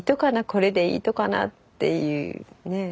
これでいいとかな？っていうねえ